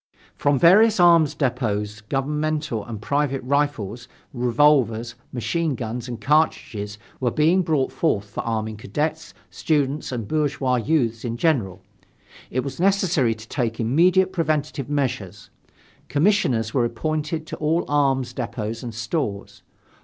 From various arms depots governmental and private rifles, revolvers, machine guns and cartridges were being brought forth for arming cadets, students and bourgeois youths in general. It was necessary to take immediate preventive measures. Commissioners were appointed to all arms depots and stores.